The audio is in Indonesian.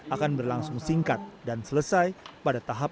akan berlangsung singkat dan selesai pada tahap